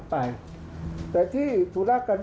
ภาคอีสานแห้งแรง